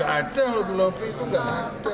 gak ada lobby lobby itu gak ada